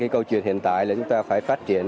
câu chuyện hiện tại là chúng ta phải phát triển